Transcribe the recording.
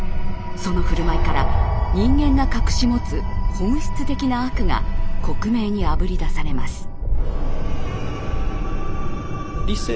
その振る舞いから人間が隠し持つ本質的な「悪」が克明にあぶり出されます。